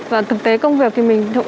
và thực tế công việc thì mình